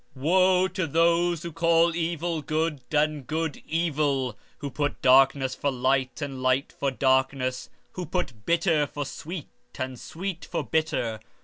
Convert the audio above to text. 15:20 Wo unto them that call evil good, and good evil, that put darkness for light, and light for darkness, that put bitter for sweet, and sweet for bitter!